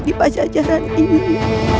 di pajajaran ini